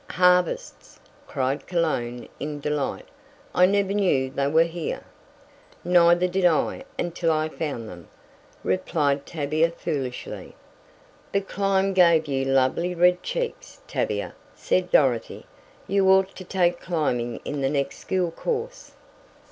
"Harvests!" cried Cologne in delight. "I never knew they were here." "Neither did I until I found them," replied Tavia foolishly. "The climb gave you lovely red cheeks; Tavia," said Dorothy. "You ought to take climbing in the next school course."